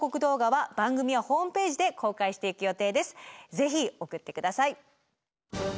是非送ってください。